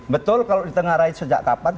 betul kalau ditengah raih sejak kapan